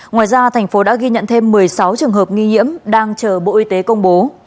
ngoài ra thành phố đã ghi nhận thêm một mươi sáu trường hợp nghi nhiễm đang chờ bộ y tế công bố